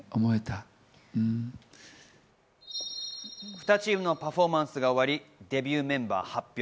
２チームのパフォーマンスが終わり、デビューメンバー発表。